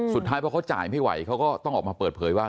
สุดท้ายพอเขาจ่ายไม่ไหวเขาก็ต้องออกมาเปิดเผยว่า